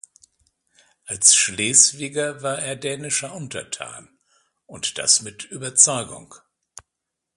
Als Schleswiger war er dänischer Untertan und das mit Überzeugung.